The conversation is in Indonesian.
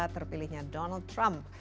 terpilihnya donald trump